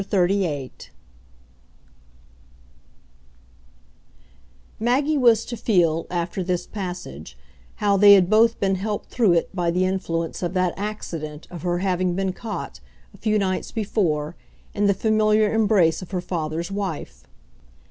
XXXVIII Maggie was to feel, after this passage, how they had both been helped through it by the influence of that accident of her having been caught, a few nights before, in the familiar embrace of her father's wife.